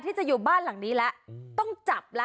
ก็คือเธอนี่มีความเชี่ยวชาญชำนาญ